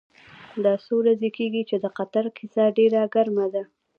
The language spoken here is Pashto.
دا څو ورځې کېږي چې د قطر کیسه ډېره ګرمه ده.